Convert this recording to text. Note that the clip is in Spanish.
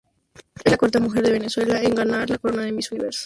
Es la cuarta mujer de Venezuela en ganar la corona del Miss Universo.